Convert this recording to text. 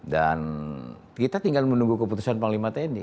dan kita tinggal menunggu keputusan panglima tni